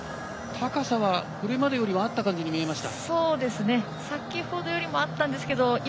高さは、これまでよりはあったかのように見えました。